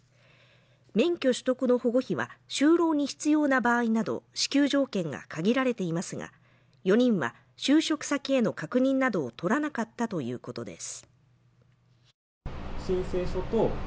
免許取得の保護費は、就労に必要な場合など、支給条件が限られていますが、４人は就職先への確認などを取らなかったということです。